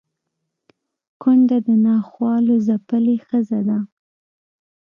کونډه د ناخوالو ځپلې ښځه ده